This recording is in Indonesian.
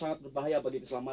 jangan combo berdasarkan